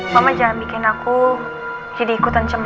mama jangan bikin aku jadi ikutan cemas